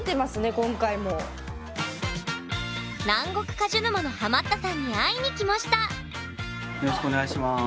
南国果樹沼のハマったさんに会いに来ましたよろしくお願いします。